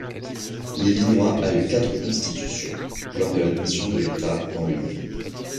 L’Illinois a eu quatre constitutions, lors de l’admission de l’État dans l’Union.